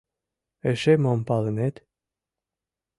Эше мом палынет?